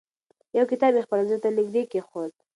یو کتاب یې خپل زړه ته نږدې کېښود.